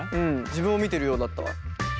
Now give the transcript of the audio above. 自分を見てるようだったわ。